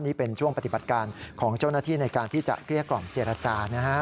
นี่เป็นช่วงปฏิบัติการของเจ้าหน้าที่ในการที่จะเกลี้ยกล่อมเจรจานะฮะ